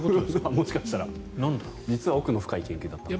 もしかしたら実は奥の深い研究だった。